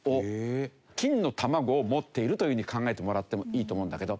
金の卵を持っているというふうに考えてもらってもいいと思うんだけど。